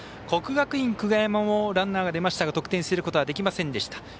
国学院久我山もランナーが出ましたが得点することはできませんでした。